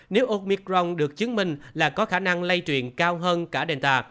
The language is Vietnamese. nếu omicron được chứng minh là có khả năng lây truyền cao hơn cả delta